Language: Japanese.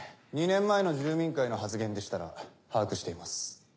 ２年前の住民会での発言でしたら把握しています。